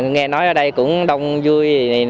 nghe nói ở đây cũng đông vui